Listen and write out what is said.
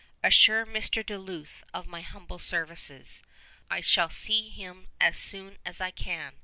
Assure Mr. Duluth of my humble services. I shall see him as soon as I can.